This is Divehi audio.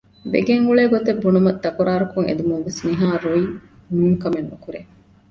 ވެގެން އުޅޭ ގޮތެއް ބުނުމަށް ތަކުރާރުކޮށް އެދުމުންވެސް ނިހާ ރުއިން ނޫންކަމެއް ނުކުރޭ